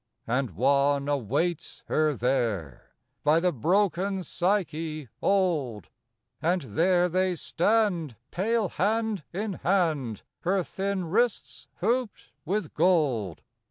And one awaits her there By the broken Psyche old; And there they stand, pale hand in hand, Her thin wrists hooped with gold.